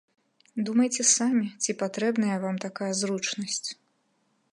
Думайце самі, ці патрэбная вам такая зручнасць.